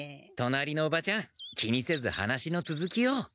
隣のおばちゃん気にせず話のつづきを。